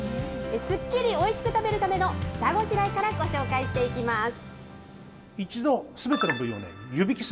すっきりおいしく食べるための下ごしらえからご紹介していきます。